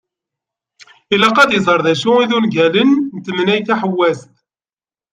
Ilaq ad iẓer acu d ungalen n « temneyt taḥewwast ».